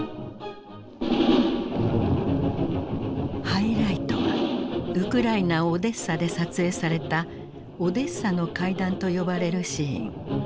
ハイライトはウクライナオデッサで撮影された「オデッサの階段」と呼ばれるシーン。